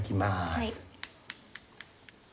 はい。